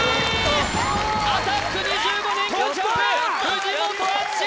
「アタック２５」年間チャンプ藤本篤嗣